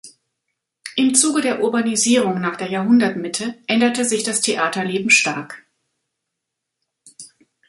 Im Zuge der Urbanisierung nach der Jahrhundertmitte änderte sich das Theaterleben stark.